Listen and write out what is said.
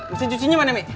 mesin cucinya mana mi